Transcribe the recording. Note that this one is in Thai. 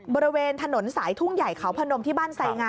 บริเวณถนนสายทุ่งใหญ่เขาพนมที่บ้านไสงา